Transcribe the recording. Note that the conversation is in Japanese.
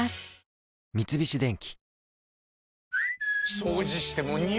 三菱電機